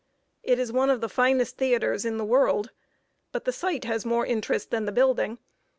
It is one of the finest theaters in the world; but the site has more interest than the building.